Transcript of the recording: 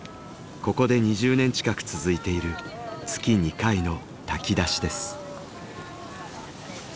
ここで２０年近く続いている月２回の炊き出しです。